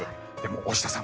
大下さん